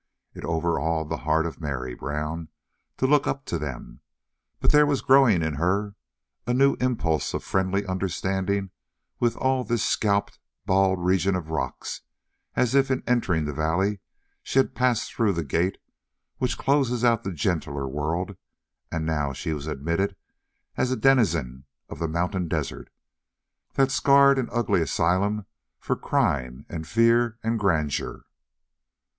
It overawed the heart of Mary Brown to look up to them, but there was growing in her a new impulse of friendly understanding with all this scalped, bald region of rocks, as if in entering the valley she had passed through the gate which closes out the gentler world, and now she was admitted as a denizen of the mountain desert, that scarred and ugly asylum for crime and fear and grandeur.